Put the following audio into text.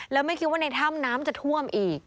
แล้วไม่คิดว่าในถ้ำน้ำจะท่วมอีก